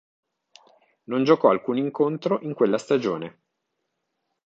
Non giocò alcun incontro in quella stagione.